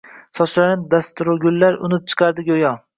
Sochlaridan dastorgullar unib chiqardi go’yo.